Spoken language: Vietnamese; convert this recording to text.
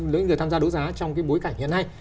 lấy người tham gia đấu giá trong cái bối cảnh hiện nay